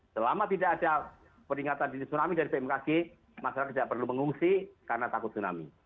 selama tidak ada peringatan dini tsunami dari bmkg masyarakat tidak perlu mengungsi karena takut tsunami